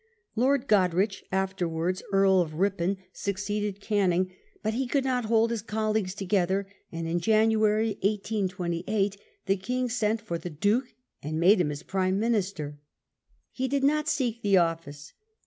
Lord Goderich, afterwards Earl of Eipon, succeeded 236 WELLINGTON Canning, but he could not hold his colleagues together, and in January, 1828, the King sent for the Duke an(J made him his Prime Minister. He did not seek the office.